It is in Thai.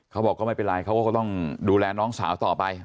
เขาบอกก็ไม่เป็นไรเขาก็ต้องดูแลน้องสาวต่อไป